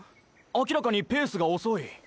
明らかにペースが遅い。